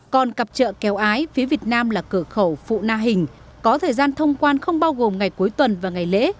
còn cặp trợ kéo ái phía việt nam là cửa khẩu phụ na hình có thời gian thông quan không bao gồm ngày cuối tuần và ngày lễ